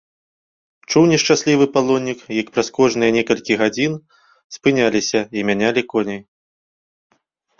Чуў нешчаслівы палоннік, як праз кожныя некалькі гадзін спыняліся і мянялі коней.